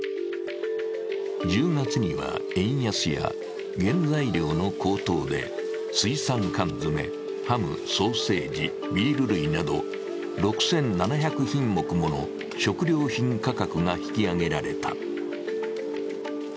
１０月には、円安や原材料の高騰で水産缶詰、ハム、ソーセージ、ビール類など６７００品目もの食料品価格が引き上げられた。